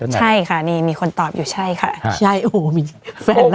ใช่ค่ะนี่มีคนตอบอยู่ใช่ค่ะใช่โอ้โหมีแฟนมา